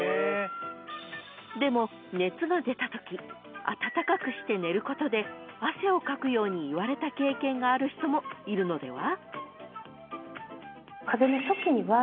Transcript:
［でも熱が出たとき温かくして寝ることで汗をかくようにいわれた経験がある人もいるのでは？］